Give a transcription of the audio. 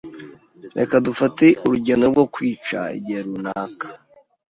Reka dufate urugendo rwo kwica igihe runaka.